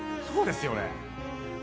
そうですよね？